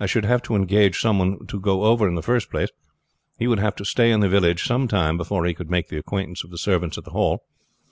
I should have to engage some one to go over in the first place. He would have to stay in the village some time before he could make the acquaintance of the servants at the Hall.